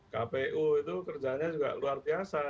kpu itu kerjanya juga luar biasa